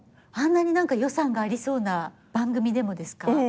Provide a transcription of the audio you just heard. あんなに予算がありそうな番組でもですか？